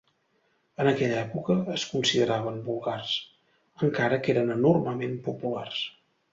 En aquella època, es consideraven vulgars, encara que eren enormement populars.